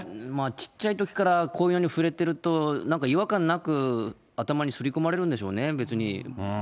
ちっちゃいときから、こういうように触れてると、なんか違和感なく頭に刷り込まれるんでしょうね、別に。